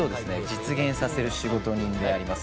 実現させる仕事人であります